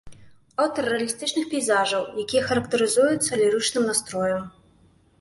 Аўтар рэалістычных пейзажаў, якія характарызуюцца лірычным настроем.